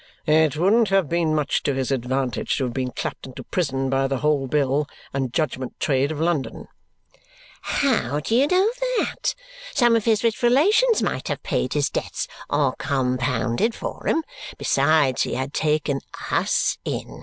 "It wouldn't have been much to his advantage to have been clapped into prison by the whole bill and judgment trade of London." "How do you know that? Some of his rich relations might have paid his debts or compounded for 'em. Besides, he had taken US in.